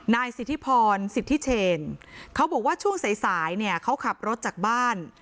นายสิทธิพรสิทธิเชนเขาบอกว่าช่วงใสเขาขับรถจากบ้าน